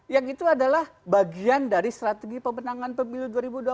yang itu adalah bagian dari strategi pemenangan pemilu dua ribu dua puluh